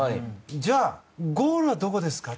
じゃあ、ゴールはどこですか？